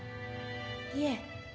いえ。